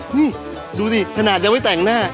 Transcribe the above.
นี่ดูสิขนาดยังไม่แต่งหน้า